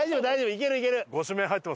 いけるいける！